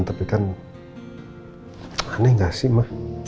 tapi kan aneh gak sih mah